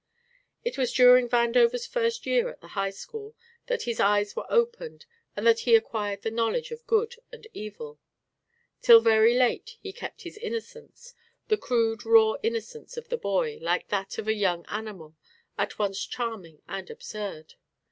It was during Vandover's first year at the High School that his eyes were opened and that he acquired the knowledge of good and evil. Till very late he kept his innocence, the crude raw innocence of the boy, like that of a young animal, at once charming and absurd.